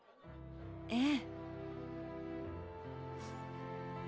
ええ。